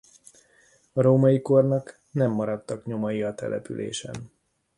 A római kornak nem maradtak nyomai a településen.